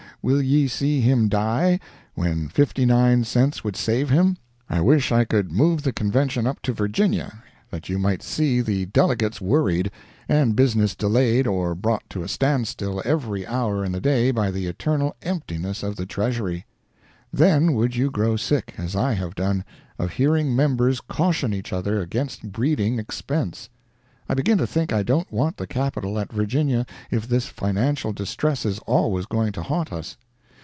Will ye see him die, when fifty nine cents would save him? I wish I could move the Convention up to Virginia, that you might see the Delegates worried, and business delayed or brought to a stand still every hour in the day by the eternal emptiness of the Treasury. Then would you grow sick, as I have done, of hearing members caution each other against breeding expense. I begin to think I don't want the Capital at Virginia if this financial distress is always going to haunt us.